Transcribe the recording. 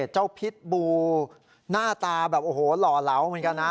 พิษบูหน้าตาแบบโอ้โหหล่อเหลาเหมือนกันนะ